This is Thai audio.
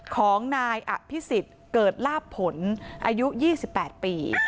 ของนายอภิษฎเกิดลาบผลอายุ๒๘ปี